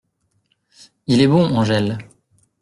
Il est bon Angèle .